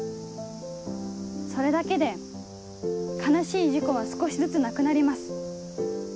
それだけで悲しい事故は少しずつなくなります。